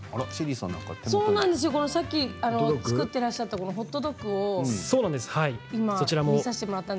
さっき作っていらっしゃっていたホットドッグを見せてもらいました。